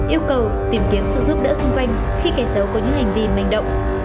yêu cầu tìm kiếm sự giúp đỡ xung quanh khi kẻ xấu có những hành vi manh động